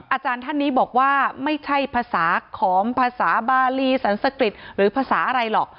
อาจารย์ท่านนี้บอกว่าไม่ใช่ภาษาของภาษาบาลีสันสกริจหรือภาษาอะไรหรอก